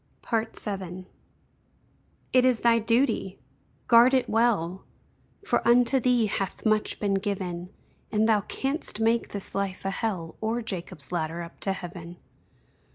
VII. It is thy |DUTY|! Guard it well! For unto thee hath much been given, And thou canst make this life a Hell, Or Jacob's ladder up to Heaven.